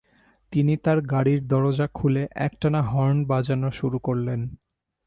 তিনি তাঁর গাড়ির দরজা খুলে একটানা হর্ন বাজানো শুরু করলেন।